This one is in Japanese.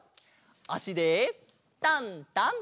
あしでタンタン！